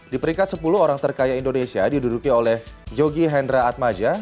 di peringkat sepuluh orang terkaya indonesia diduduki oleh jogi hendra atmaja